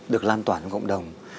được lan toàn trong cộng đồng